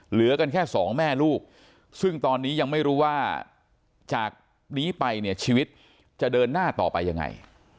เหลือกันแค่สองแม่ลูกซึ่งตอนนี้ยังไม่รู้ว่าจากนี้ไปเนี่ยชีวิตจะเดินหน้าต่อไปยังไง